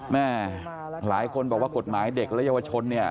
แม่หลายคนบอกว่ากฎหมายเด็กและเยาวชนเนี่ย